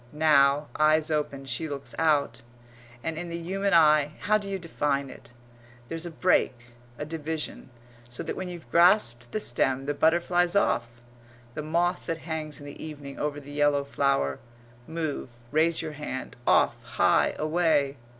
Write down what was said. Now, eyes open, she looks out; and in the human eye how d'you define it? there's a break a division so that when you've grasped the stem the butterfly's off the moth that hangs in the evening over the yellow flower move, raise your hand, off, high, away.